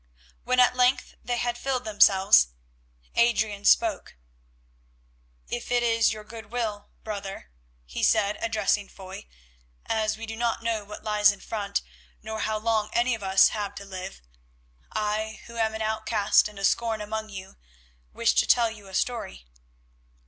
When at length they had filled themselves, Adrian spoke. "If it is your good will, brother," he said, addressing Foy, "as we do not know what lies in front, nor how long any of us have to live, I, who am an outcast and a scorn among you, wish to tell you a story."